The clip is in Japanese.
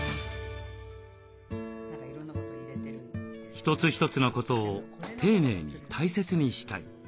一つ一つのことを丁寧に大切にしたい。